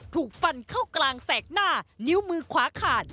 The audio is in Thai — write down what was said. ถูกฟันเข้ากลางแสกหน้านิ้วมือขวาขาด